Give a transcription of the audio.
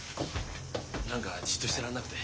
何かじっとしてらんなくて。